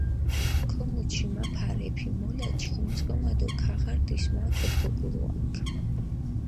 ქომუჩი მა ფარეფი, მოლა ჩქიმიწკჷმა დო ქაღარდის მა ქდჷგოგურუანქ.